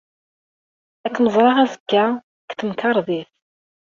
Ad kem-ẓreɣ azekka, deg temkarḍit!